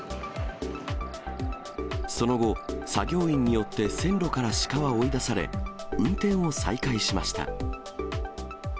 その後、作業員によって線路から鹿は追い出され、運転を再開しました。